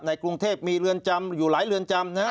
กรุงเทพมีเรือนจำอยู่หลายเรือนจำนะฮะ